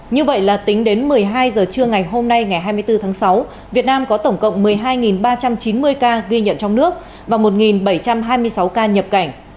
như vậy là tính đến một mươi hai h trưa ngày hôm nay ngày hai mươi bốn tháng sáu việt nam có tổng cộng một mươi hai ba trăm chín mươi ca ghi nhận trong nước và một bảy trăm hai mươi sáu ca nhập cảnh